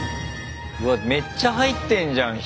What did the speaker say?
わっめっちゃ入ってんじゃん人。